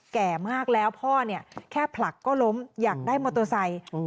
แก่มากแล้วพ่อเนี่ยแค่ผลักก็ล้มอยากได้มอเตอร์ไซค์